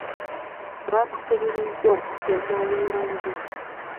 Baatukubirizza okukuuma obuyonjo.